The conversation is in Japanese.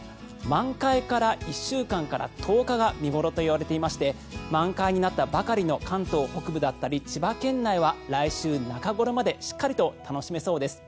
満開から１週間から１０日が見頃と言われていまして満開になったばかりの関東北部だったり千葉県内は来週中ごろまでしっかりと楽しめそうです。